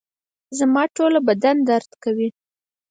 زما ټوله بدن درد کوي